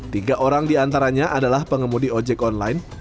tiga orang di antaranya adalah pengemudi ojek online